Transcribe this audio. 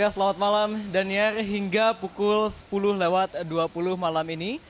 selamat malam daniar hingga pukul sepuluh lewat dua puluh malam ini